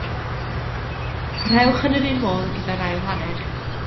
Parhewch yn yr un modd gyda'r ail hanner.